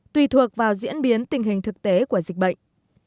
tùy thuộc vào diễn biến tình hình thực tế của dịch bệnh